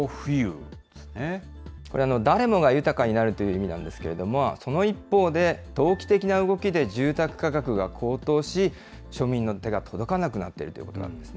これ、誰もが豊かになるという意味なんですけれども、その一方で、投機的な動きで住宅価格が高騰し、庶民の手が届かなくなっているということなんですね。